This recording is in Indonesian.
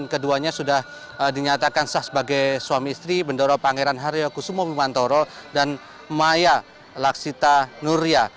keduanya sudah dinyatakan sah sebagai suami istri bendoro pangeran haryo kusumo wimantoro dan maya laksita nuria